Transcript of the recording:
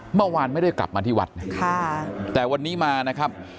เมื่อวานไม่ได้กลับมาที่วัดนะแต่วันนี้มานะครับ